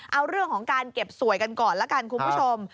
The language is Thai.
เอาเรื่องของการเก็บสวยกันก่อนละกันคุณผู้ชม